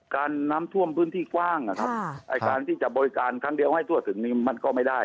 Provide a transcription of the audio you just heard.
การน้ำท่วมพื้นที่กว้างนะครับไอ้การที่จะบริการครั้งเดียวให้ทั่วถึงนี้มันก็ไม่ได้